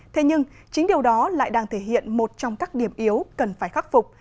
thế nhưng chính điều đó lại đang thể hiện một trong các điểm yếu cần phải khắc phục